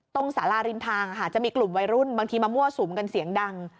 สาราริมทางค่ะจะมีกลุ่มวัยรุ่นบางทีมามั่วสุมกันเสียงดัง